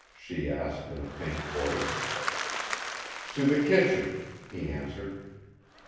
she asked in a faint voice. "To the kitchen," he answered.